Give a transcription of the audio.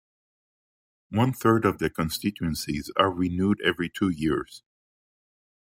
One-third of the constituencies are renewed every two years.